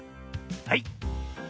はい。